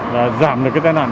là giảm được cái tên hẳn